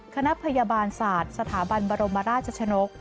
คณะพยาบาลศาสตร์สถาบันบรมราชชนก